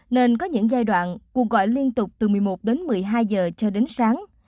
nên có những giai đoạn cuộc gọi liên tục từ một mươi một đến một mươi hai giờ cho đến sáng